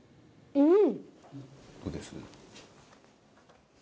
うん！